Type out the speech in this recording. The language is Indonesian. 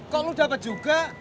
kok lu dapet juga